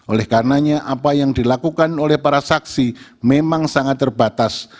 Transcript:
oleh karenanya apa yang dilakukan oleh para saksi memang sangat terbatas